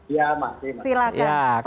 iya masih silakan